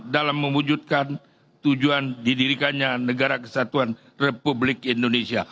dalam mewujudkan tujuan didirikannya negara kesatuan republik indonesia